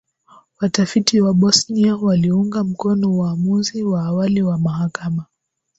watafiti wa bosnia waliuunga mkono uamuzi wa awali wa mahakama